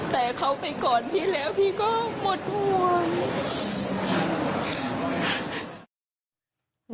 แต่เขาไปก่อนพี่แล้วพี่ก็หมดห่วง